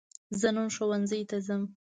زه نن ښوونځي ته ځم